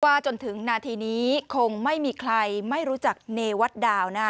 จนถึงนาทีนี้คงไม่มีใครไม่รู้จักเนวัดดาวนะฮะ